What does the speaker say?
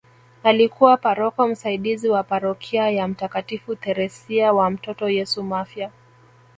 Alikuwa paroko msaidizi wa parokia ya mtakatifu Theresia wa mtoto Yesu Mafia